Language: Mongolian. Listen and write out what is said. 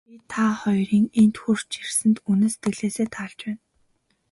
Би та хоёрын энд хүрч ирсэнд үнэн сэтгэлээсээ таалж байна.